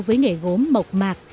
với nghề gốm mộc mạc